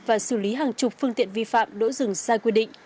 và xử lý hàng chục phương tiện vi phạm đỗ dừng xe quy định